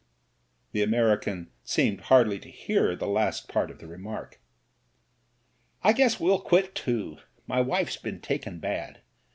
'* The American seemed hardly to hear the last part of the remark. "I guess we'll quit too. My wife's been taken bad.